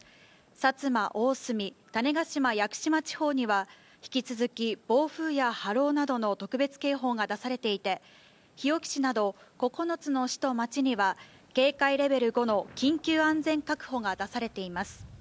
薩摩、大隅、種子島・屋久島地方には、引き続き暴風や波浪などの特別警報が出されていて、日置市など、９つの市と町には、警戒レベル５の緊急安全確保が出されています。